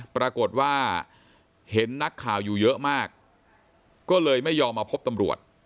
ปรากฏว่าเห็นนักข่าวอยู่เยอะมากก็เลยไม่ยอมมาพบตำรวจ